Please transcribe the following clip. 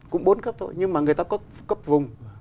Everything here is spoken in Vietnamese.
cũng bốn cấp thôi nhưng mà người ta có cấp vùng